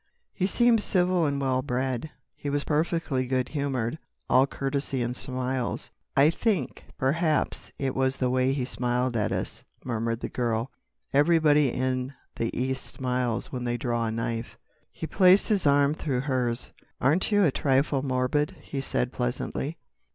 "He seemed civil and well bred. He was perfectly good humoured—all courtesy and smiles." "I think—perhaps—it was the way he smiled at us," murmured the girl. "Everybody in the East smiles when they draw a knife...." He placed his arm through hers. "Aren't you a trifle morbid?" he said pleasantly.